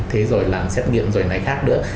thế rồi làm xét nghiệm rồi này khác nữa